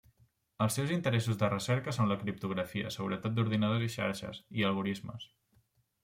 Els seus interessos de recerca són la criptografia, seguretat d'ordinadors i xarxes, i algorismes.